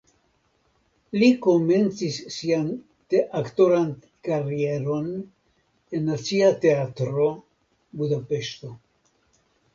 Li komencis sian aktoran karieron en Nacia Teatro (Budapeŝto).